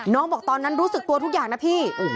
บอกตอนนั้นรู้สึกตัวทุกอย่างนะพี่